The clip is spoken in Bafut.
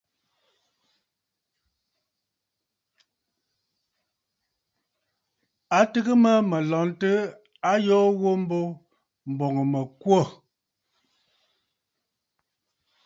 Tɨgə mə mə̀ lɔntə ayoo ghu mbo, m̀bɔŋ mə̀ kwô.